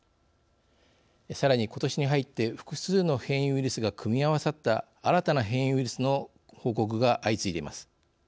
さらにことしに入って複数の変異ウイルスが組み合わさった新たな変異ウイルスの報告が相次いでいます。